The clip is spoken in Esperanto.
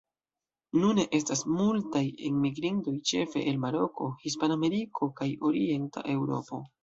Nune estas multaj enmigrintoj ĉefe el Maroko, Hispanameriko kaj Orienta Eŭropo.